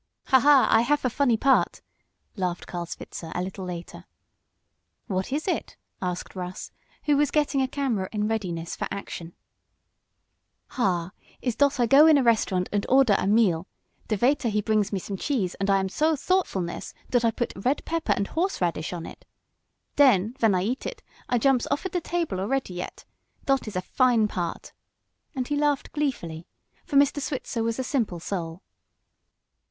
"Ha! Ha! I haf a funny part!" laughed Carl Switzer, a little later. "What is it?" asked Russ, who was getting a camera in readiness for action. "Ha! It iss dot I go in a restaurant, und order a meal. Der vaiter he brings me some cheese und I am so thoughtfulness dot I put red pepper and horse radish on it. Den, ven I eat it I jumps ofer der table alretty yet. Dot is a fine part!" and he laughed gleefully, for Mr. Switzer was a simple soul.